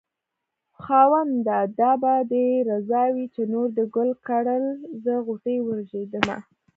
خاونده دا به دې رضا وي چې نور دې ګل کړل زه غوټۍ ورژېدمه